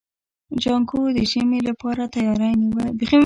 جانکو د ژمي لپاره تياری نيوه.